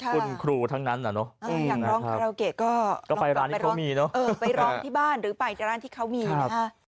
คุณครูทั้งนั้นน่ะเนาะอยากร้องคาราโอเกะก็ไปร้านที่เขามีเนาะ